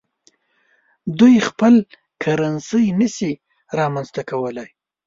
دوی خپل کرنسي نشي رامنځته کولای.